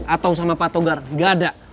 atau sama patogar gak ada